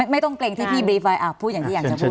ไม่ต้องเกรงที่พี่บรีไฟพูดอย่างที่อยากจะพูด